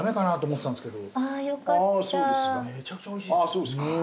そうですか。